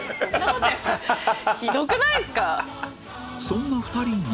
そんな２人に